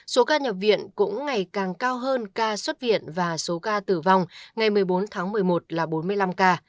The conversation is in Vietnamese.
các quận huyện cũng ngày càng cao hơn ca xuất viện và số ca tử vong ngày một mươi bốn tháng một mươi một là bốn mươi năm ca